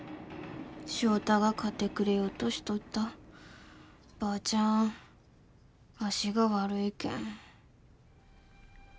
翔太が買ってくれようとしとったばーちゃん足が悪いけん